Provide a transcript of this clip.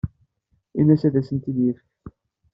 Ini-as ad asen-ten-id-yefk.